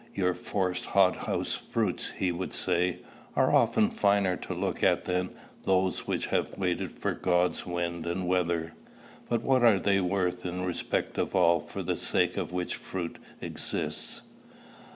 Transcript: "Your forced hot house fruits," he would say, "are often finer to look at than those which have waited for God's wind and weather; but what are they worth in respect of all for the sake of which fruit exists?"